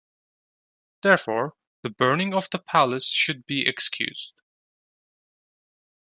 Therefore, the burning of the palace should be excused.